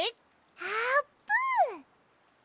あーぷん！